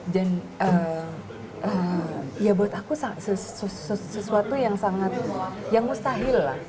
dan ya buat aku sesuatu yang sangat yang mustahil